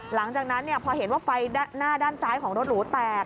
หลังจากนั้นพอเห็นว่าไฟหน้าด้านซ้ายของรถหรูแตก